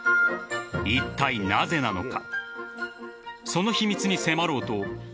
いったいなぜなのか。